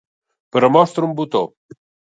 Per a mostra, un botó.